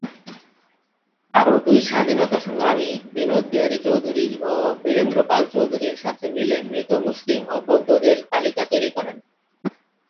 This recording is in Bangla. আরো দুই স্বাধীনতা সংগ্রামী বিনোদ বিহারী চৌধুরী ও বীরেন্দ্র পাল চৌধুরীর সাথে মিলে মৃত মুসলিম ও বৌদ্ধদের তালিকা তৈরি করেন।